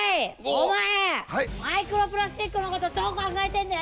お前マイクロプラスチックのことどう考えてんだよ！？